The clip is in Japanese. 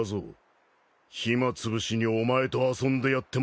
暇つぶしにお前と遊んでやっても構わんのだぞ。